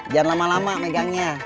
jangan lama lama megangnya